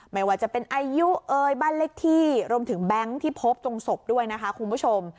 ไม่ว่าจะเป็นอายุเอ่ยบ้านเลขที่รวมถึงแบงค์ที่พบตรงศพด้วยนะคะคุณผู้ชม